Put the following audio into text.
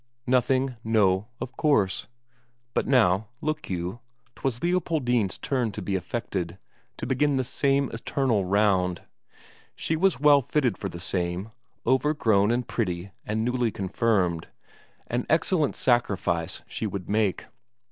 Nothing, no, of course. But now, look you, 'twas Leopoldine's turn to be affected, to begin the same eternal round. She was well fitted for the same, overgrown and pretty and newly confirmed; an excellent sacrifice she would make.